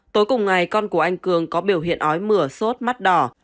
tối cùng ngày con của anh cường có biểu hiện ói mửa sốt mắt đỏ